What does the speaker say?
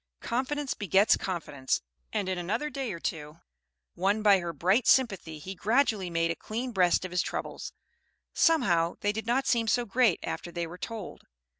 Confidence begets confidence; and in another day or two, won by her bright sympathy, he gradually made a clean breast of his troubles. Somehow they did not seem so great after they were told.